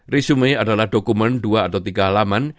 resumei adalah dokumen dua atau tiga halaman